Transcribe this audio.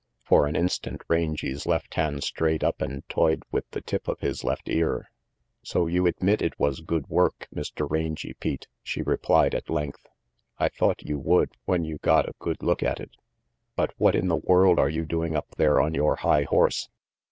For an instant Rangy's left hand strayed up and toyed with the tip of his left ear. "So you admit it was good work, Mr. Rangy Pete," she replied, at length. "I thought you would, when you got a good look at it. But what in the world are you doing up there on your high horse?